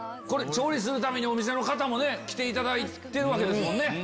これ調理するためにお店の方も来ていただいてるわけですもんね。